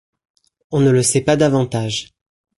On ne le sait pas davantage.